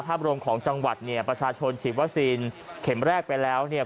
ภาพรวมของจังหวัดเนี่ยประชาชนฉีดวัคซีนเข็มแรกไปแล้วเนี่ย